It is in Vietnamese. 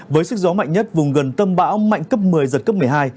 với sức gió mạnh nhất vùng gần tâm bão mạnh cấp một mươi giật cấp một mươi hai